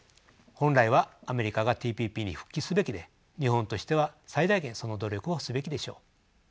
本来はアメリカがＴＰＰに復帰すべきで日本としては最大限その努力をすべきでしょう。